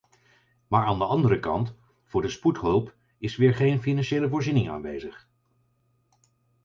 Maar aan de andere kant, voor de spoedhulp is weer geen financiële voorziening aanwezig.